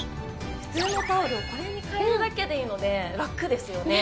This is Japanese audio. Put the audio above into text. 普通のタオルをこれに替えるだけでいいのでラクですよね。